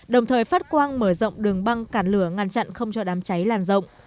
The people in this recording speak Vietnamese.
đồng thời phát quang mở rộng đường băng cản lửa ngăn chặn không cho đám cháy lan rộng